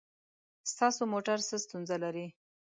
ستاسو موټر څه ستونزه لري؟